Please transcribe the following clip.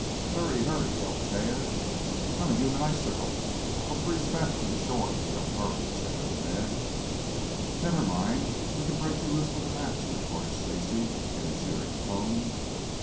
"Hurry, hurry!" yelled Tad. "I'm a human icicle. I'll freeze fast to the shore if you don't hurry!" chattered Ned. "Never mind. We can break you loose with an axe," retorted Stacy in a jeering tone.